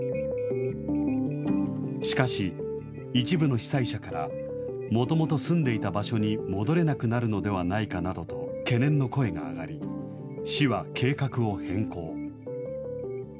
しかし、一部の被災者からもともと住んでいた場所に戻れなくなるのではないかなどと懸念の声が上がり、市は計画を変更。